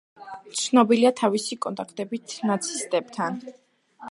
ცნობილია თავისი კონტაქტებით ნაცისტებთან.